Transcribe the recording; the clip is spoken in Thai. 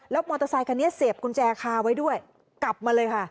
มอเตอร์ไซคันนี้เสียบกุญแจคาไว้ด้วยกลับมาเลยค่ะ